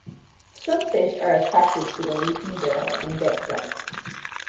Some fish are attracted to the leaking barrel and get drunk.